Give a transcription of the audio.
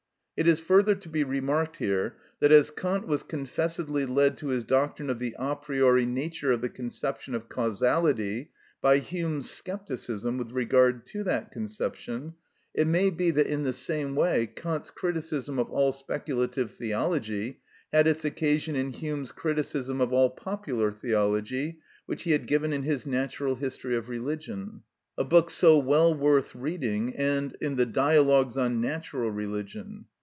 It is further to be remarked here, that as Kant was confessedly led to his doctrine of the a priori nature of the conception of causality by Hume's scepticism with regard to that conception, it may be that in the same way Kant's criticism of all speculative theology had its occasion in Hume's criticism of all popular theology, which he had given in his "Natural History of Religion," a book so well worth reading, and in the "Dialogues on Natural Religion."